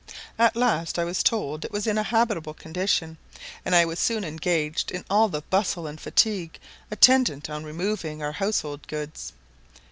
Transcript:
At last I was told it was in a habitable condition, and I was soon engaged in all the bustle and fatigue attendant on removing our household goods.